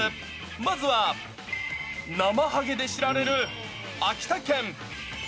まずは、なまはげで知られる秋田県。